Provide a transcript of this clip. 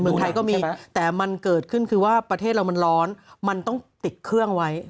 เมืองไทยก็มีแต่มันเกิดขึ้นคือว่าประเทศเรามันร้อนมันต้องติดเครื่องไว้